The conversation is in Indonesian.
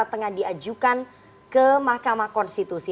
tengah diajukan ke mahkamah konstitusi